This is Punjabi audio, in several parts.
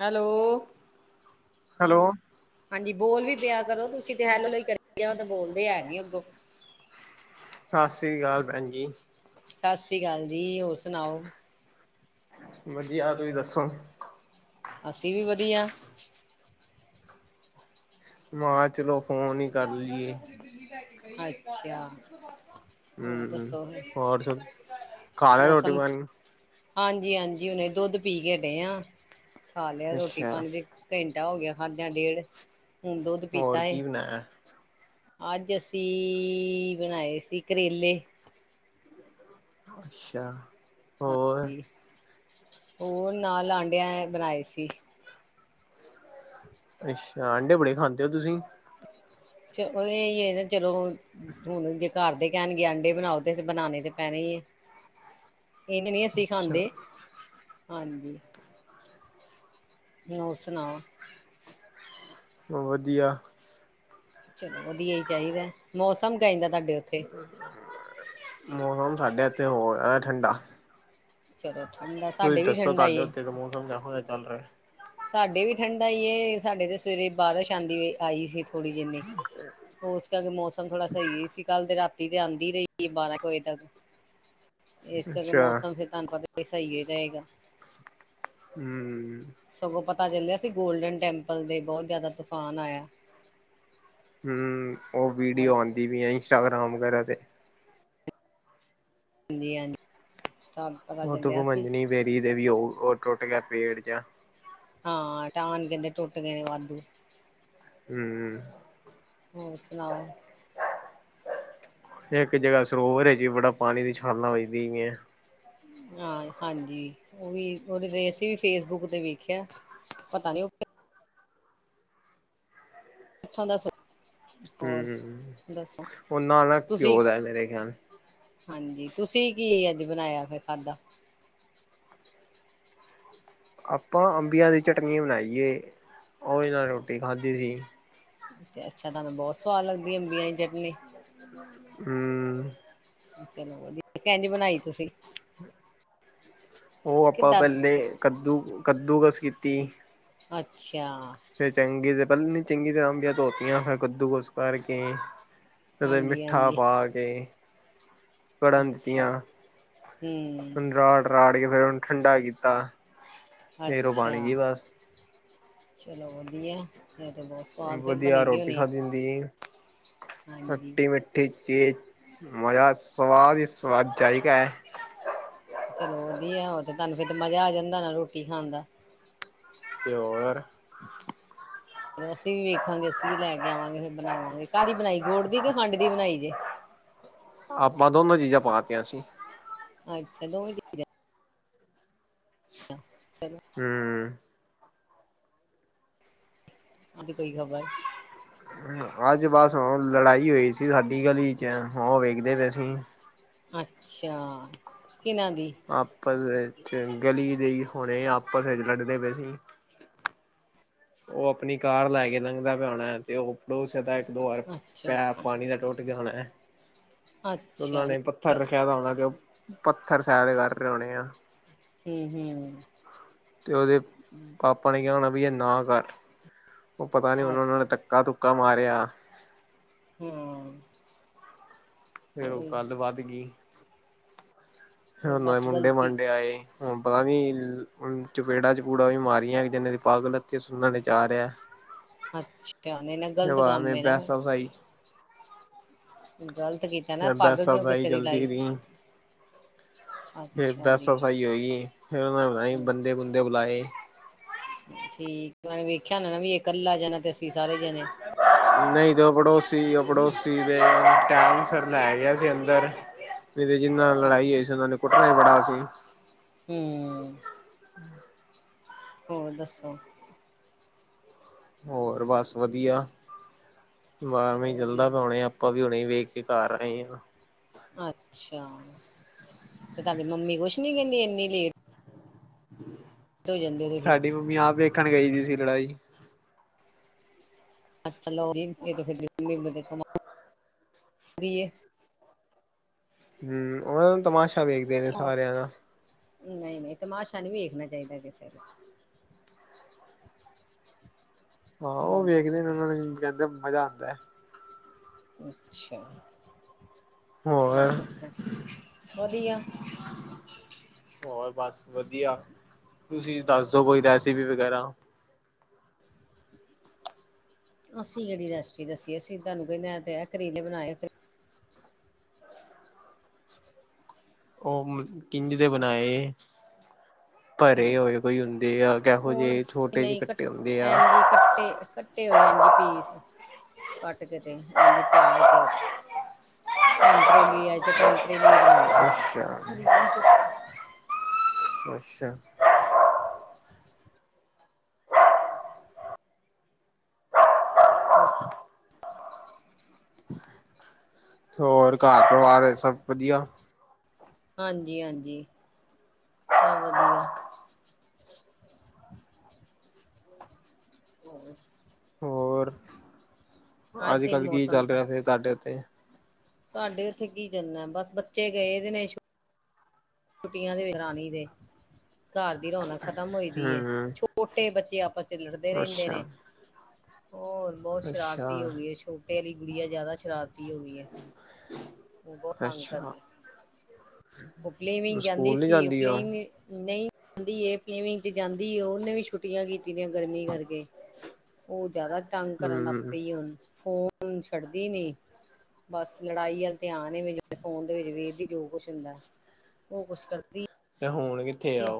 ਹੈਲੋ। ਹੈਲੋ ਹਾਂਜੀ, ਬੋਲ ਵੀ ਪਿਆ ਕਰੋ ਤੁਸੀਂ ਤੇ ਹੈਲੋ ਕਰੀ ਤੇ ਬੋਲਦੇ ਐ ਨੀ ਅੱਗੋਂ। ਸਤਿ ਸ੍ਰੀ ਅਕਾਲ ਭੈਣ ਜੀ। ਸਤਿ ਸ੍ਰੀ ਅਕਾਲ ਜੀ ਹੋਰ ਸੁਣਾਓ? ਵਧੀਆ ਤੁਸੀਂ ਦੱਸੋ? ਅਸੀਂ ਵੀ ਵਧੀਆ। ਮਾਂ ਚਲੋ ਫੋਨ ਹੀ ਕਰ ਲਈਏ ਅੱਛਾ। ਹੋਰ ਹਮ ਦੱਸੋ ਫਿਰ ਹੋਰ ਸੁ ਖਾ ਲਿਆ ਰੋਟੀ ਮੌਸਮ ਪਾਣੀ ਹਾਂਜੀ ਹਾਂਜੀ ਹੁਨੇ ਦੁੱਧ ਪੀ ਕੇ ਹਟੇ ਆ ਖਾ ਲਿਆ ਰੋਟੀ ਅੱਛਾ ਪਾਣੀ ਦੇ ਘੰਟਾ ਹੋ ਗਿਆ ਖਾਦਿਆਂ ਡੇਢ ਹੁਣ ਦੁੱਧ ਹੋਰ ਪੀਤਾ ਏ। ਕੀ ਬਣਾਇਆ ਅੱਜ ਅਸੀਂ ਬਣਾਏ ਸੀ ਕਰੇਲੇ। ਅੱਛਾ। ਹੋਰ ਉਹ ਨਾਲ ਆਂਡਿਆਂ ਬਣਾਏ ਸੀ। ਅੱਛਾ ਅਂਡੇ ਬੜੇ ਖਾਂਦੇ ਹੋ ਤੁਸੀਂ। ਚਲ ਇਹ ਨਾ ਚਲੋ ਹੁਣ ਜੇ ਘਰ ਦੇ ਕਹਿਣਗੇ ਆਂਡੇ ਬਣਾਓ ਤੇ ਬਣਾਉਣੇ ਤੇ ਪੈਣੇ ਹੀ ਹੈ। ਇਹ ਤੇ ਨੀ ਅਸੀਂ ਅੱਛਾ ਖਾਂਦੇ ਹਾਂਜੀ। ਹੋਰ ਸੁਣਾਓ? ਸਬ ਵਧੀਆ। ਚਲੋ ਵਧੀਆ ਹੀ ਚਾਹੀਦਾ ਮੌਸਮ ਕਹਿੰਦਾ ਤੁਹਾਡੇ ਉੱਥੇ ਮੌਸਮ ਸਾਡੇ ਇੱਥੇ ਹੋ ਰਿਹਾ ਠੰਡਾ। ਚਲੋ ਠੰਡਾ ਤੁਸੀਂ ਸਾਡੇ ਵੀ ਦੱਸੋ ਠੰਡਾ ਤੁਹਾਡੇ ਹੀ ਹੈ। ਉੱਤੇ ਦਾ ਮੌਸਮ ਚੱਲ ਰਿਹਾ ਚਲ ਰਿਹਾ। ਸਾਡੇ ਵੀ ਠੰਢਾ ਹੀਈ ਏ ਸਾਡੇ ਤੇ ਸਵੇਰੇ ਬਾਰਿਛ ਆਉਦੀ ਆਈ ਸੀ ਥੋੜ੍ਹੀ ਜਿਨੀ। ਉਸ ਕਰਕੇ ਮੌਸਮ ਥੋੜਾ ਸਹੀ ਸੀ ਕੱਲ ਤੇ ਰਾਤੀ ਤੇ ਆਉਂਦੀ ਰਹੀ ਬਾਰਾਂ ਵਜੇ ਤੱਕ। [inaudible] ਇਸ ਤਰ੍ਹਾਂ ਅੱਛਾ ਮੌਸਮ ਫਿਰ ਤੁਹਾਨੂੰ ਪਤਾ ਸਹੀ ਹੀ ਰਹੇਗਾ। ਹਮ। ਸਗੋਂ ਪਤਾ ਚੱਲਿਆ ਸੀ ਗੋਲਡਨ ਟੈਂਪਲ ਦੇ ਬਹੁਤ ਜਿਆਦਾ ਤੂਫਾਨ ਆਇਆ। ਹਮ ਉਹ ਵੀਡੀਓ ਆਇਆ। ਆਉਂਦੀ ਵੀ ਹੈ ਇੰਸਟਾਗ੍ਰਾਮ ਵਗੈਰਾ ਤੇ। ਹਾਂਜੀ ਹਾਂਜੀ ਪਤਾ ਉਹ ਤ ਦੁੱਖ ਚੱਲਿਆ ਸੀ ਭਜਣੀ ਬੇਰੀ ਦੇ ਵੀ ਉਹ ਉਹ ਟੁੱਟ ਗਿਆ ਪੇੜ ਜ! ਹਾਂ ਟਾਹਣ ਕਹਿੰਦੇ ਟੁੱਟ ਗਏ ਨੇ ਵਾਧੂ ਹਮਮ। ਹੋਰ ਸੁਣਾਓ? ਇੱਕ ਜਗ੍ਹਾ ਸਰੋਵਰ ਚ ਵੀ ਬੜਾ ਪਾਣੀ ਦੀ ਛਾਲਾ ਵਜਦਿਆ। ਹਾਂ ਹਾਂਜੀ। ਉਹ ਵੀ ਉਹਦੇ ਅਸੀਂ ਵੀ ਫੇਸਬੁੱਕ ਤੇ ਵੇਖਿਆ। ਪਤਾ ਨੀ ਉਹ ਕਿੱਥੋਂ ਦਾ ਹੋਰ ਹਮ, ਦੱਸੋ ਉਹਨਾਂ ਨਾ ਤੁਸੀਂ ਘਓ ਦਾ ਮੇਰੇ ਖਿਆਲ ਹਾਂਜੀ, ਤੁਸੀਂ ਕੀ ਅੱਜ ਬਣਾਇਆ ਫਿਰ ਖਾਧਾ ਆਪਾਂ ਅੰਬੀਆਂ ਦੀ ਚਟਨੀ ਬਣਾਈਏ, ਉਹਦੇ ਨਾਲ ਰੋਟੀ ਖਾਧੀ ਸੀ। ਜੈਸਾ ਤੁਹਾਨੂੰ ਬਹੁਤ ਸਆਦ ਲੱਦੀ ਅੰਬੀਆਂ ਦੀ ਚਟਨੀ? ਹਮ। ਚਲੋ ਵਧੀਆ, ਕਿੰਝ ਬਣਾਈ ਤੁਸੀਂ? ਉਹ ਆਪਾਂ ਕਿੱਦਾਂ ਪਹਿਲੇ ਕੱਦੂ ਕੱਦੂਕਸ ਕੀਤੀ। ਅੱਛਾ। ਫਿਰ ਚੰਗੀ ਤੇ ਪਹਿਲੇ ਨੀ ਚੰਗੀ ਤਰ੍ਹਾਂ ਅੰਬੀਆਂ ਧੋਤੀਆਂ ਫਿਰ ਕੱਦੂਕੱਸ ਕਰਕੇ ਕਦੇ ਹਾਂਜੀ ਮਿੱਠਾ ਹਾਂਜੀ ਪਾ ਕੇ ਕੜਨ ਅੱਛਾ ਦਿੱਤੀਆਂ। ਹੂੰ ਉਹਨੂੰ ਰਾੜ-ਰਾੜ ਕੇ ਫੇਰ ਉਹਨੂੰ ਠੰਡਾ ਕੀਤਾ। ਫੇਰ ਉਹ ਬਣ ਅੱਛਾ ਗਈ ਬੱਸ। ਚਲੋ ਵਧੀਆ, ਇਹ ਤੇ ਬਹੁਤ ਸਵਾਦ ਫਿਰ ਬਣੀ ਦੀ ਹੋਣੀ। ਦੀਨ ਹਾਂਜੀ ਖੱਟੀ -ਮਿੱਠੀ। ਤੇ ਜੇ ਮਜ਼ਾ ਸਵਾਦ ਹੀ ਸਵਾਦ ਜਾਇਕਾ। ਚਲੋ ਵਧੀਆ, ਉਹ ਤੇ ਤੁਹਾਨੂੰ ਫਿਰ ਤੇ ਮਜ਼ਾ ਆ ਜਾਂਦਾ ਨਾ ਰੋਟੀ ਖਾਣ ਦਾ। ਤੇ ਹੋਰ ਚਲੋ ਅਸੀ ਵੀ ਵੇਖਾਂਗੇ। ਅਸੀਂ ਵੀ ਲੈ ਕੇ ਆਵਾਂਗੇ, ਫਿਰ ਬਣਾਵਾਂਗੇ ਕਾਹਦੀ ਬਣਾਈ ਗੋੜ ਦੀ ਕੇ ਖੰਡ ਦੀ ਬਣਾਈ ਜੇ? ਆਪਾਂ ਦੋਨਾਂ ਚੀਜ਼ਾਂ ਪਾ ਤੀਆਂ ਸੀ। ਅੱਛਾ ਦੋਵੇਂ ਦੀ ਚਲੋ ਹੂੰ ਅੱਗੇ ਕੋਈ ਖ਼ਬਰ? ਅੱਜ, ਬਸ ਉਹ ਲੜਾਈ ਹੋਈ ਸੀ ਸਾਡੀ ਗਲੀ'ਚ ਉਹ ਵੇਖਦੇ ਪਏ ਸੀ। ਅੱਛਾ, ਕਿਨਾਂ ਦੀ? ਆਪਸ ਵਿੱਚ, ਗਲੀ ਦੇ ਹੀ ਹੋਣੇ ਆਪਸ ਵਿੱਚ ਲੜਦੇ ਪਏ ਸੀ। ਉਹ ਆਪਣੀ ਕਾਰ ਲੈ ਕੇ ਲੰਘਦਾ ਪਿਆ ਹੋਣਾ, ਤੇ ਉਹ ਪੜੋਸ ਦੋ ਵਾਰ, ਅੱਛਾ ਪੈਪ ਪਾਣੀ ਦਾ ਟੁੱਟ ਗਿਆ ਹੋਣਾ ਅੱਛਾ ਉਹਨਾਂ ਨੇ ਪੱਥਰ ਰੱਖਿਆ ਦਾ ਹੋਣਾ ਕਿ ਉਹ ਪੱਥਰ ਸਾਈਡ'ਚ ਕਰ ਰਹੇ ਹੋਣੇ ਆ। ਹੂੰ ਹੂੰ ਤੇ ਉਹਦੇ ਪਾਪਾ ਨੇ ਕਿਹਾ ਹੋਣਾ ਬਈ ਇਹ ਨਾ ਕਰ, ਉਹ ਪਤਾ ਨੀ ਹੁਣ ਉਹਨਾਂ ਨੇ ਅੱਛਾ ਧ ਧੱਕਾ -ਧੁੱਕਾ ਮਾਰਿਆ। ਹੂੰ ਫੇਰ ਉਹ ਉਹੀ ਗੱਲ ਵੱਧ ਗਈ। ਫੇਰ ਉਹੀ ਓਹਨਾ ਦੇ ਬਸ ਮੁੰਡੇ ਗਲਤੀ -ਮੰਡੇ ਆਏ। ਹੁਨ ਪਤਾ ਨੀ ਚਪੇੜਾ-ਚਪੂੜਾ ਵੀ ਮਾਰੀਆਂ ਇਕ ਤੇ ਪੱਗ ਲੱਥੀ ਸੁਣਨ 'ਚ ਆ ਰਿਹਾ। ਅੱਛਾ, ਧਿਆਨ ਏ ਗ਼ਲਤ ਕੰਮ ਐਵੇਂ ਹੈ ਨਾ ਫੇਰ। ਬਹਿਸਾ ਵਸਾਈ ਗ਼ਲਤ ਕੀਤਾ ਨਾ, ਪੱਗ ਬਹਿਸਾ ਕਿਉਂ ਵਸਾਈ ਕਿਸੇ ਦੀ ਚਲਦੀ ਲਾਈ। ਰਹੀ ਫਿਰ ਅੱਛਾ ਬਹਿਸਾ ਜੀ -ਬਸਾਹੀ ਹੋਈ, ਫਿਰ ਉਹਨਾਂ ਨੇ ਪਤਾ ਨੀ ਬੰਦੇ-ਬੁੰਦੇ ਬੁਲਾਏ। ਠੀਕ, ਉਹਨਾ ਵੇਖਿਆ ਹੋਨਾ ਨਾ ਵੀ ਇਹ ਕੱਲਾ ਜਣਾ ਤੇ ਅਸੀਂ ਸਾਰੇ ਜਣੇ। ਨਹੀਂ ਤੇ, ਉਹ ਪੜੋਸੀ ਉਹ ਪੜੋਸੀ ਦੇ ਟਾਈਮ ਸਿਰ ਲੈ ਗਿਆ ਸੀ ਅੰਦਰ। ਨਹੀਂ ਤੇ, ਜਿਹਨਾਂ ਨਾਲ ਹਾਂ ਲੜਾਈ ਹੋਈ ਸੀ, ਉਹਨਾ ਨੇ ਕੁੱਟਿਆ ਹੀ ਬੜਾ ਸੀ। ਹੂੰ ਹੋਰ ਦੱਸੋ? ਹੋਰ ਬਸ ਵਧੀਆ ਐਵੈਂ ਚਲੋ ਹੀ ਚਲਦਾ ਵਧੀਆ ਪਿਆ ਹੁਣੇ ਆਪਾਂ ਵੀ ਹੁਣੇ ਵੇਖ ਕੇ ਘਰ ਆਏ ਹਾਂ। ਅੱਛਾ, ਤੇ ਤੁਹਾਡੀ ਮੰਮੀ ਕੁਛ ਨੀ ਕਹਿੰਦੀ ਇਨੀ ਲੇਟ? ਹੋ ਜਾਂਦੇ ਹੋ ਤੁਸੀਂ ਸਾਡੀ ਮੰਮੀ ਆਪ ਵੇਖਣ ਗਈ ਦੀ ਸੀ ਲੜਾਈ। ਅੱਛਾ ਲਓ [unintelligible] ਦੀ ਏ ਹੂਮ ਓਹ ਨਾਂ ਤਮਾਸ਼ਾ ਵੇਖਦੇ ਨੇ ਸਾਰਿਆਂ ਦਾ। ਨਹੀਂ -ਨਹੀਂ ਤਮਾਸ਼ਾ ਨੀ ਵੇਖਨਾ ਚਾਹੀਦਾ ਕਿਸੇ ਦਾ। ਹਾਂ ਓਹ ਹੋਰ ਵੇਖਦੇ ਨੇ, ਦੱਸੋ ਓਹਨਾ ਨੂੰ ਕਹਿੰਦੇ ਮਜ਼ਾ ਆਂਦਾ ਐ। ਅੱਛਾ ਹੋਰ ਦੱਸੋ? ਵਧੀਆ। ਹੋਰ ਬਸ ਵਧੀਆ, ਤੁਸੀਂ ਦੱਸਦੋ ਕੋਈ ਰੈਸਪੀ ਵਗੈਰਾ? ਅਸੀਂ ਕੇਹੜੀ ਰੈਸਪੀ ਦੱਸੀਏ, ਅਸੀ ਤੁਹਾਨੂੰ ਕਹਿਨੇ ਤੇ ਆ ਕਰੇਲੇ ਬਣਾਏ ਐ ਕਰ ਓਹ ਹੂਨ ਕਿੰਝ ਦੇ ਬਨਾਏ? [inaudible] ਭਰੇ ਹੋਏ ਕੋਈ ਹੁੰਦੇ ਆ। ਕਿਹੋ ਓ ਨਹੀਂ ਜਿਹੇ ਅਸੀ ਛੋਟੇ ਜਿਹੇ ਨਈ ਕੱਟੇ ਕਟ ਹੁੰਦੇ ਆ। ਐੰਨ-ਜੀ ਕੱਟੇ, ਕਟ ਕਟੇ ਹੋਏ ਐਂਜ ਈ ਪੀਸ [inaudible] ਕੱਟ ਕੇ-ਤੇ ਐਂਜੀ ਪਿਆਜ ਤੇ ਓ ਟੈਂਪਰੇਲੀ ਅਜ ਤੇ ਟੈਂਪਰੇਲੀ ਬਨਾਏ ਸੀ। ਅੱਛਾ [unintelligible] ਅੱਛਾ। ਹੋਰ ਘਰ-ਪਰਿਵਾਰ ਏਚ ਸਭ ਵਧੀਆ? ਹਾਂਜੀ-ਹਾਂਜੀ ਸਭ ਵਧੀਆ। [inaudible] ਅੱਜ ਦੇ ਅੱਜ-ਕੱਲ੍ਹ ਕੀ ਮੌਸਮ ਚੱਲ ਰਿਆ ਫੇਰ ਤੁਹਾਡੇ ਉੱਥੇ? ਸਾਡੇ ਉੱਥੇ ਕੀ ਚੱਲਨੈ ਬਸ ਬੱਚੇ ਗਏ ਦੇ ਨੇ ਛੁ ਟੀਆਂ [unintelligible] ਦੇ ਘਰ ਦੀ ਰੌਨਕ ਖਤਮ ਹੋਈ ਦੀ ਏ, ਹੂੰ। ਛੋਟੇ ਬੱਚੇ ਆਪਸ ਚ ਲੜਦੇ ਰੈਂਦੇ ਅੱਛਾ, ਨੇ ਹੋਰ ਬੋ ਅੱਛਾ, ਸ਼ਰਾਰਤੀ ਹੋ ਗਈ ਏ, ਛੋਟੇ ਆਲੀ ਗੁੜੀਆ ਜਾਦਾ ਸ਼ਰਾਰਤੀ ਹੋਗੀ ਐ। ਓ ਬੋਤ ਤੰਗ ਅੱਛਾ ਕਰਦੇ ਓ ਫਲੀਵੀਂਗ ਕੈਂਦੀ ਸਕੂਲ ਨੀ ਸੀ, ਓ ਜਾਂਦੀ ਉਹ ਫਲੀਂਗ ਨਈ [inaudible] ਜਾਂਦੀ ਏ, ਫੀਵੀਂਗ ਚ ਜਾਂਦੀ ਏ ਓ ਓਨੇ ਵੀ ਛੁੱਟੀਆਂ ਕੀਤੀ ਦੀਆਂ ਗਰਮੀ ਕਰਕੇ। [inaudible] ਓ ਜਾਦਾ ਤੰਗ ਕਰਨ ਲੱਗ ਹੂੰ ਪਈ ਏ ਹੁਨ ਫੋਨ ਛੱਡਦੀ ਨੀ ਬਸ ਲੜਾਈ ਅੱਲ ਧਿਆਨ ਏ [unintelligible] ਫੋਨ ਦੇ ਵਿੱਚ ਵੇਖਦੀ ਜੋ ਕੁਛ ਹੁੰਦੈ। ਓ ਕੁਛ ਕਰਦੀ ਤੇ ਹੁਣ ਕੀ [unintelligible]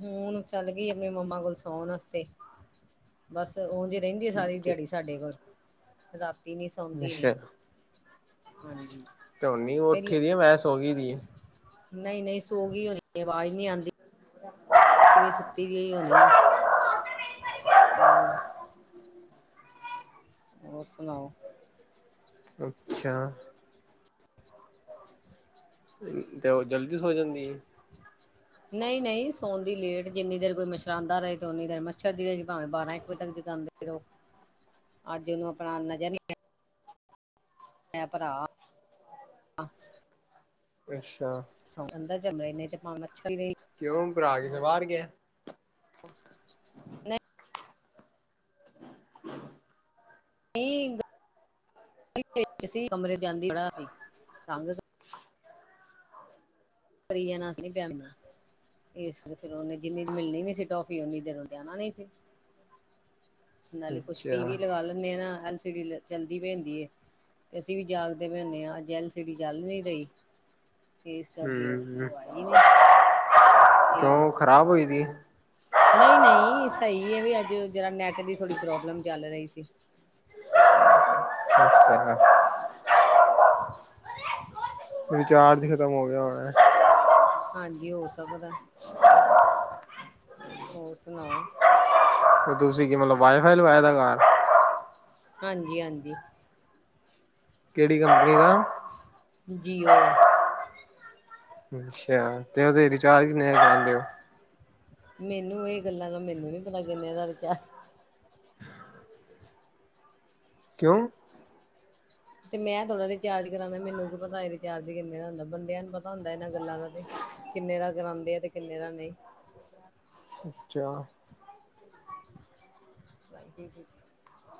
ਹੂਨ ਚੱਲਗੀ ਆਪਨੀ ਮੰਮਾ ਕੋਲ ਸੌਨ ਆਸਤੇ। ਬਸ ਓਂਜ ਰੈਂਦੀ ਏ ਸਾਰੀ ਦਿਹਾੜੀ ਸਾਡੇ ਕੋਲ ਰਾਤੀ ਨੀ ਸੌਂਦੀ ਨੀ। ਅੱਛਾ ਹਾਂਜੀ ਤੇ ਹੁਣ ਨੀ ਪੈਲ ਉੱਠੀ ਦੀ ਆ, ਮੈਂ ਸੋ ਗਈ ਦੀ ਆ। ਨਈ-ਨਈ ਸੌਗੀ ਹੋਨੀ ਏ, ਆਵਾਜ਼ ਨੀ ਆਂਦੀ [inaudible] [unintelligible] ਸੁੱਤੀ ਦੀ [unintelligible] ਹੋਨੀ ਆ। [unintelligible] ਹੋਰ ਸੁਨਾਓ? ਅੱਛਾ। ਤੇ ਓ ਜਲਦੀ ਸੋ ਜਾਂਦੀ ਏ? ਨਈ- ਨਈ ਸੌਂਂਦੀ ਲੇਟ, ਜਿੰਨੀ ਦੇਰ ਕੋਈ ਮਛਰਾਂਦਾ ਰੇ ਤੇ ਓਨੀ ਦੇਰ ਮੱਛਰ ਦੀ ਰਏਗੀ, ਭਾਵੇਂ ਬਾਰਾਂ-ਇੱਕ ਵਜੇ ਤੱਕ ਜਗਾਂਦੇ ਰੋ। [inaudible] ਅੱਜ ਉਨੂੰ ਆਪਨਾ ਨਜ਼ਰ ਨੀ ਆਯਾ [unintelligible] ਭਰਾ [inaudible] ਆ ਅੱਛਾ। ਸੌਂ ਜਾਂਦਾ ਏ [unintelligible] ਤੇ ਭਾਵੇ ਮੱਛਰ [unintelligible] ਕਿਉਂ ਭਰਾ ਕਿਤੇ ਬਾਰ ਗਿਐ? [unintelligible] ਨਈਂ [inaudible] ਕਮਰੇ [unintelligible] [unintelligible] ਏਸ [unintelligible] ਫੇਰ ਓਨੇ ਜਿੰਨੀ ਚ ਮਿਲਨੀ ਨੀ ਸੀ ਟੋਫੀ, ਉਨੀ ਦੇਰ ਓਨੇ ਜਾਨਾ ਨੀ ਸੀ। [inaudible] ਨਾਲੇ ਕੁਛ ਟੀ ਅੱਛਾ ਵੀ ਲਗਾ ਲੈਂਦੇ ਆਂ ਨਾ ਐਲ ਸੀ ਡੀ ਚੱਲਦੀ ਪਈ ਹੂੰਦੀ ਏ। ਤੇ ਅਸੀਂ ਵੀ ਜਾਗਦੇ ਪੈ ਹੁਨੇ ਹਾਂ। ਅਜ ਐਲ ਸਿਡੀ ਜਲ ਨੀ ਰਹੀ ਤੇ ਕਰਕੇ ਉਹ ਹੂੰ ਉਹ ਆਈ ਨਹੀਂ ਕਿਉ ਖ਼ਰਾਬ ਹੋਈ ਪਈ ਐ? ਨਹੀਂ-ਨਹੀਂ ਸਹੀ ਹੈ ਵੀ ਅੱਜ ਜਰਾ ਨੈਟ ਦੀ ਥੋੜੀ ਪ੍ਰੋਬਲਮ ਚੱਲ ਰਹੀ ਸੀ। [unintelligible] ਅੱਛਾ [unintelligible] [inaudible] ਰਿਚਾਰਜ ਖਤਮ ਹੋ ਗਿਆ ਹੋਇਆ। ਹਾਂਜੀ ਹੋ ਸਕਦਾ। [unintelligible] ਹੋਰ ਸੁਣਾਓ? ਤੁਸੀਂ ਕੀ ਮਤਲਬ ਵਾਈਫਾਈ ਲਵਾਏ ਦਾ ਘਾਰ? ਹਾਂਜੀ-ਹਾਂਜੀ। ਕਿਹੜੀ ਕੰਪਨੀ ਦਾ? ਜੀਓ ਦਾ। ਅੱਛਾ ਤੇ ਉਹਦੇ ਰਿਚਾਰਜ ਕਿੰਨੇ ਦਾ ਕਰਾਂਦੇ ਹੋ? ਮੈਨੂੰ ਇਹ ਗੱਲਾਂ ਦਾ ਮੈਨੂੰ ਨੀ ਪਤਾ ਕਿੰਨੇ ਦਾ ਰੀਚਾਰ- ਕਿਉਂ? ਤੇ ਮੈਂ ਥੋੜਾ ਰਿਚਾਰਜ ਕਰਾਉਦਾ ਮੈਨੂੰ ਕੀ ਪਤਾ ਰਿਚਾਰਜ ਕਿੰਨੇ ਦਾ ਹੁੰਦਾ ਬੰਦਿਆਂ ਨੂੰ ਪਤਾ ਹੁੰਦਾ ਇਹਨਾਂ ਗੱਲਾਂ ਦਾ ਤੇ। ਕਿੰਨੇ ਦਾ ਕਰਾਂਦੇ ਆ ਤੇ ਕਿੰਨੇ ਦਾ ਨਹੀਂ? ਅੱਛਾ। Ninety six.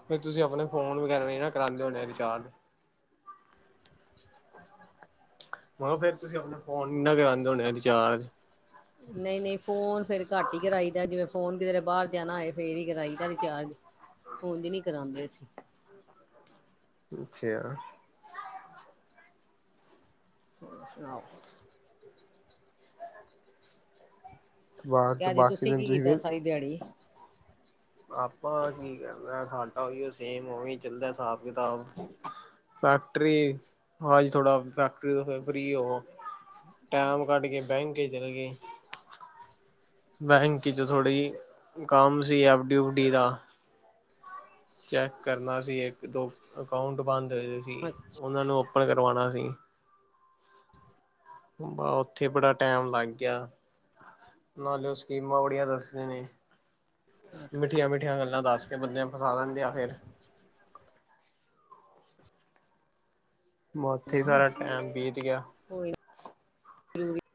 ਫੇਰ ਤੁਸੀਂ ਆਪਣੇ ਫੋਨ ਵਗੈਰਾ ਨਹੀਂ ਨਾ ਕਰਾਉਂਦੇ ਹੋਣੇ ਰਿਚਾਰਜ? ਹੁਨ ਫੇਰ ਤੁਸੀਂ ਆਪਣਾ ਫੋਨ ਨਾ ਕਰਾਉਂਦੇ ਹੋਣੇ ਰਿਚਾਰਜ? ਨਹੀਂ-ਨਹੀਂ ਫੋਨ ਫੇਰ ਘੱਟ ਹੀ ਕਰਾਈ ਦਾ ਜਿਵੇਂ ਫੋਨ ਕਿਤੇਰੇ ਬਾਹਰ ਜਾਣਾ ਹੋਏ ਫੇਰ ਹੀ ਕਰਾਈ ਦਾ ਰਿਚਾਰਜ। ਉੰਝ ਨੀ ਕਰਾਉਂਦੇ ਅਸੀਂ। ਅੱਛਾ। ਹੋਰ ਸੁਣਾਓ? ਬਾਹਰ ਤੇ ਤੋਂ ਅੱਜ ਬਾਕੀ ਤੁਸੀਂ ਦਿਨ ਕੀ ਕੀਤਾ ਸਾਰੀ ਦਿਹਾੜੀ? ਆਪਾ ਕੀ ਕਰਨਾ ਐ ਸਾਡਾ ਓਹੀਓ ਸੇਮ ਓਵੇ ਚੱਲਦਾ ਹਿਸਾਬ ਕਿਤਾਬ। ਫੈਕਟਰੀ ਆਜ ਥੋੜਾ ਫੈਕਟਰੀ ਤੋ ਫੇਰ ਫਰੀ ਹੋਵੋ। ਟੈਮ ਕੱਢ ਕੇ ਬੈਂਕ ਚੱਲੇ ਗਏ। ਬੈਂਕ ਚ' ਥੋੜੀ ਕੰਮ ਸੀ ਐਫ ਡੀ ਓਫ ਡੀ ਦਾ। ਚੈੱਕ ਕਰਨਾ ਸੀ ਇੱਕ- ਦੋ ਅਕਾਊਂਟ ਬੰਦ ਹੋਏ- ਹੋਏ ਸੀ ਅੱਛਾ ਉਹਨਾਂ ਨੂੰ, ਪਤਾ ਕਰਵਾਉਣਾ ਸੀ। ਵ ਉੱਥੇ ਬੜਾ ਟੈਮ ਲੱਗ ਗਿਆ। ਨਾਲੇ ਓ ਸਕੀਮਾਂ ਬੜੀਆਂ ਦੱਸ ਦੇ ਨੇ। ਮਿੱਠੀਆਂ-ਮਿੱਠੀਆਂ ਗੱਲਾਂ ਦੱਸ ਕੇ ਬੰਦਿਆਂ ਨੂੰ ਫਸਾ ਦਿੰਦੇ ਆ ਫੇਰ। ਬ ਉਥੇ ਚਲੋ ਸਾਰਾ ਟਾਈਮ ਬੀਤ ਗਿਆ। ਕੋਈ- ਜ਼ਰੂਰੀ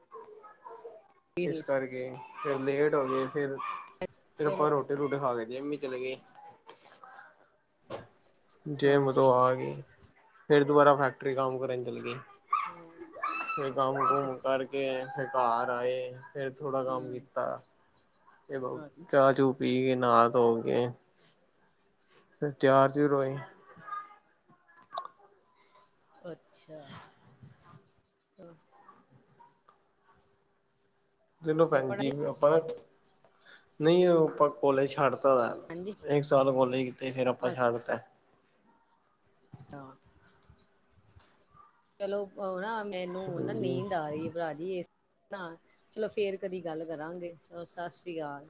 ਨੀ ਇਸ ਸੀ। ਕਰਕੇ ਫੇਰ ਲੇਟ ਹੋ ਗਏ ਫੇਰ-ਫੇਰ ਚਲੋ ਆਪਾਂ ਰੋਟੀ- ਰੂਟੀ ਖਾ ਕੇ ਜਿਮ ਚਲੇ ਗਏ। ਜਿਮ ਹਾਂ ਤੋਂ ਆ ਕੇ ਫੇਰ ਦੁਬਾਰਾ ਫੈਕਟਰੀ ਕੰਮ ਕਰਨ ਚੱਲ ਗਏ। ਹੋਰ ਫੇਰ ਇੱਕ ਤੇ ਕਮ-ਕੁਮ ਸ- ਕਰਕੇ ਫੇਰ ਘਰ ਆਏ। ਫੇਰ ਥੋੜਾ ਕੰਮ ਹੂੰ ਕੀਤਾ ਤੇ ਬ ਅੱਛ ਚਾਹ-ਚੂ' ਪੀ ਕੇ ਨਾ ਧੋ ਕੇ। ਫੇਰ ਤਿਆਰ-ਤੁਆਰ ਰੋਏ। ਅੱਛਾ। ਚਲੋ ਤੇ ਭੈਣ ਪੜ੍ਹਨ ਜੀ ਆਪਾਂ, ਨਈ ਉ ਆਪਾਂ ਕੋਲੇਜ ਛੱਡਤਾ ਦਾ ਹਾਂਜੀ ਏਕ ਸਾਲ ਕੋਲੇਜ ਕੀਤਾ ਸੀ ਫੇਰ ਆਪਾਂ ਛੱਡ ਦਿੱਤੈ। ਤਾਂ। ਚਲੋ ੳ ਨਾ ਮੈਨੂੰ ਨਾ ਹਾਂਜੀ ਨੀਂਦ ਆ ਰਈ ਭਰਾ ਇਸ ਤਾਂ, ਚਲੋ ਫੇਰ ਕਦੀ ਗੱਲ ਕਰਾਂਗੇ ਸਤਿ ਸ੍ਰੀ ਕਾਲ।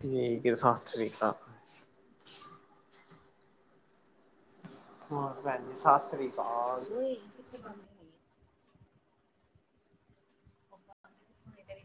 ਠੀਕ ਏ ਸਤਿ ਸ੍ਰੀ ਕਾਲ। ਹੋਰ ਭੈਣ ਜੀ ਸਤਿ ਸ੍ਰੀ ਕਾਲ। ਕਿੱਥੇ ਬਾਰਿਸ਼ ਹੋਈ ਏ। ਹਾਂ [unintelligible]